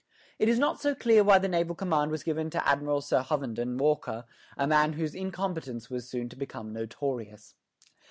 It is not so clear why the naval command was given to Admiral Sir Hovenden Walker, a man whose incompetence was soon to become notorious.